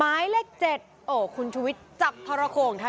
ไอหนูเจ๊งแน่